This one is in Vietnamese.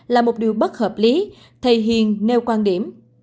là một điều bất hợp lý thầy hiền nêu quan điểm